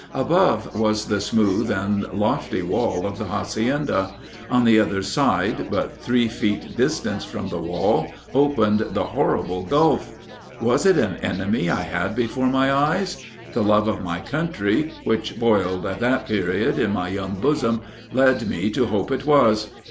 Above was the smooth and lofty wall of the hacienda; on the other side, but three feet distant from the wall, opened the horrible gulf. Was it an enemy I had before my eyes? The love of my country, which boiled, at that period, in my young bosom, led me to hope it was."